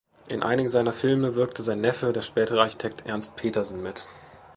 In einigen seiner Filme wirkte sein Neffe, der spätere Architekt Ernst Petersen, mit.